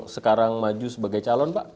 sekarang maju sebagai calon pak